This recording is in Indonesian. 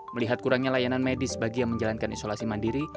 melihat kurangnya layanan medis bagi yang menjalankan isolasi mandiri